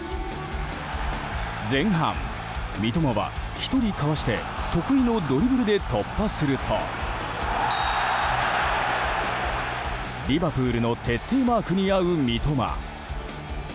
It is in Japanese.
前半、三笘は１人かわして得意のドリブルで突破するとリバプールの徹底マークに遭う三笘。